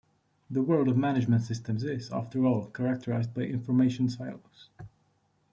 The world of management systems is, after all, characterized by information silos.